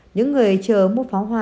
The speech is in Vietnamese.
những người chờ mua pháo hoa